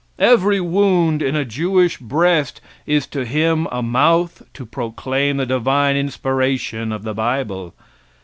Every wound in a Jewish breast is to him a mouth to proclaim the divine inspiration of the bible.